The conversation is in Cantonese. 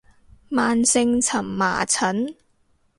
慢性蕁麻疹